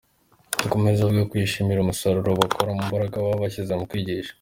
Akomeza avuga ko yishimira umusaruro bakura mu mbaraga baba bashyize mu kwigisha.